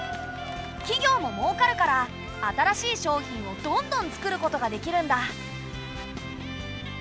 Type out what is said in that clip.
企業ももうかるから新しい商品をどんどん作ることができるんだ。